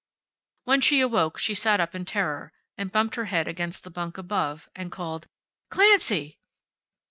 When she awoke she sat up in terror, and bumped her head against the bunk above, and called, "Clancy!"